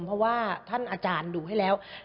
เพราะว่าท่านอาจารย์ดูให้แล้ว